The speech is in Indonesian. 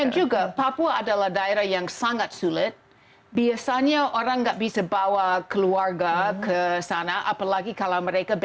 dan juga bko itu adalah daerah yang sangat sulit biasanya orang nggak bisa bawa keluarga ke sana apalagi kalau mereka bko